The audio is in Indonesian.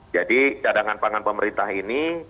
jadi cadangan pangan pemerintah ini